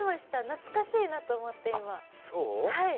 懐かしいなと思って今。